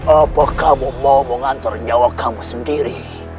apa kamu mau mengantar nyawa kamu sendiri